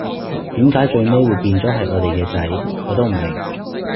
點解最尾會變咗係我哋嘅仔，我都唔明